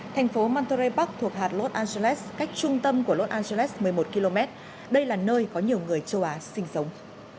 thành phố mantrebakh thuộc hạt los angeles cách trung tâm của los angeles một mươi một km đây là nơi có nhiều người châu á sinh sống